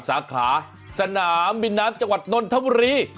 สาขาสนามบินนัพจักรวรรดิ